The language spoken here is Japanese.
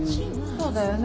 そうだよね。